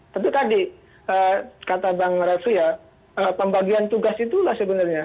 tapi tadi kata bang refli ya pembagian tugas itulah sebenarnya